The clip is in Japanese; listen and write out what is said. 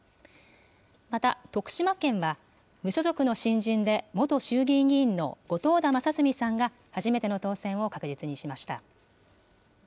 また、徳島県は、無所属の新人で元衆議院議員の後藤田正純さんが初めての当選を確実にしました。